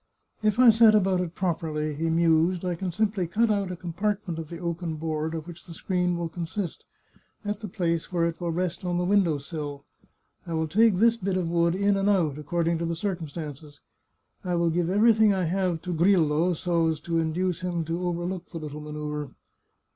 " If I set about it properly," he mused, " I can simply cut out a com partment of the oaken board of which the screen will con sist, at the place where it will rest on the window sill. I will take this bit of wood in and out, according to circumstances. I will give everything I have to Grillo, so as to induce him to overlook this little manoeuvre."